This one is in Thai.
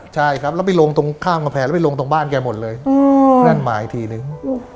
ใช่ครับแล้วไปลงตรงข้างกำแพงแล้วไปลงตรงบ้านแกหมดเลยนั่นมาอีกทีนึง